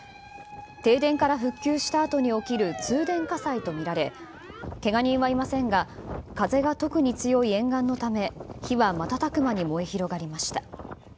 停電から復旧したあとに起きる通電火災と見られ、けが人はいませんが、風が特に強い沿岸のため、火はまたたく間に燃え広がりました。